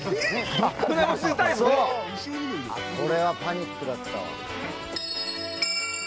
これはパニックだったわ。